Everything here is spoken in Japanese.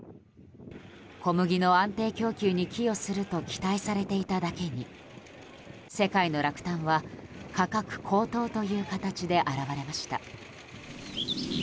小麦の安定供給に寄与すると期待されていただけに世界の落胆は価格高騰という形で表れました。